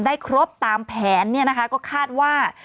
ได้ครบตามแผนก็คาดว่า